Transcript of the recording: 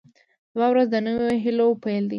سبا ورځ د نویو هیلو پیل دی.